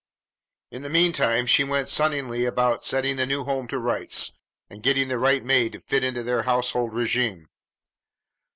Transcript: In the meantime she went sunnily about setting the new home to rights and getting the right maid to fit into their household régime.